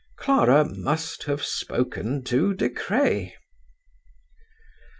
Clara must have spoken to De Craye!